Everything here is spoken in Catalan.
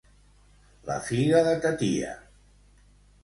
La figa de ta tia!